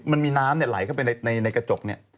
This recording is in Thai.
มันมีน้ำไหลเข้าไปในกระจกเนี่ย